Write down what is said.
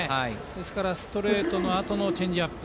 ですからストレートのあとのチェンジアップ。